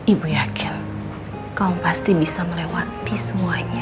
ibu yakin kau pasti bisa melewati semuanya